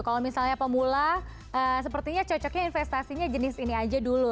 kalau misalnya pemula sepertinya cocoknya investasinya jenis ini aja dulu